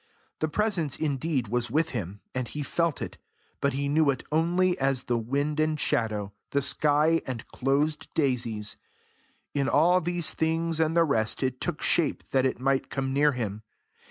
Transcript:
The Presence, indeed, was with him, and he felt it, but he knew it only as the wind and shadow, the sky and closed daisies: in all these things and the rest it took shape that it might come near him.